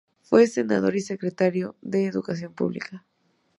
Fue senador y secretario de Educación Pública.